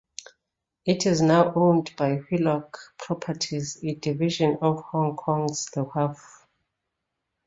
It is now owned by Wheelock Properties, a division of Hong Kong's The Wharf.